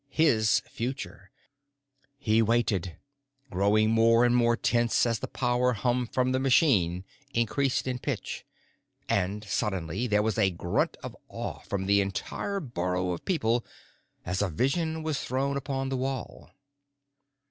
His future. He waited, growing more and more tense as the power hum from the machine increased in pitch. And suddenly there was a grunt of awe from the entire burrow of people as a vision was thrown upon the wall.